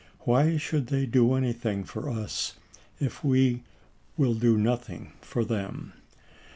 Why should they do anything for us if we will do nothing for them